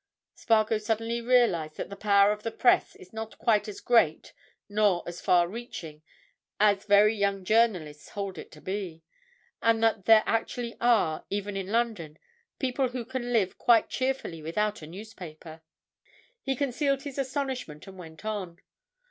Spargo suddenly realized that the power of the Press is not quite as great nor as far reaching as very young journalists hold it to be, and that there actually are, even in London, people who can live quite cheerfully without a newspaper. He concealed his astonishment and went on.